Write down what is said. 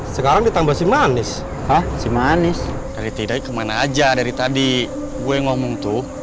sekarang ditambah si manis hah si manis dari tidak ke mana aja dari tadi gue ngomong tuh